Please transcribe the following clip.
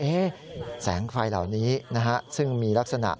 เอ๊ะแสงไฟเหล่านี้ซึ่งมีลักษณะ